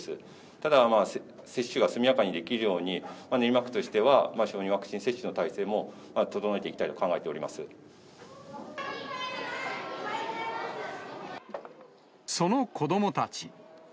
ただ、接種が速やかにできるように、練馬区としては小児ワクチン接種の体制も整えていきたいと考えてその子どもたち。